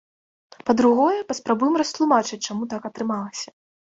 Па-другое, паспрабуем растлумачыць чаму так атрымалася.